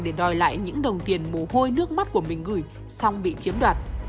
để đòi lại những đồng tiền mồ hôi nước mắt của mình gửi xong bị chiếm đoạt